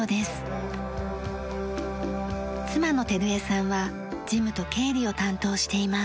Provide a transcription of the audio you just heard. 妻の照枝さんは事務と経理を担当しています。